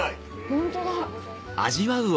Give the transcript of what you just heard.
ホントだ。